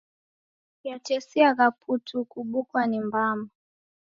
Yatesiagha putu kubukwa ni mbama.